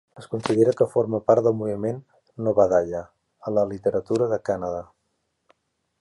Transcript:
Es considera que forma part del moviment Navodaya en la literatura de Kannada.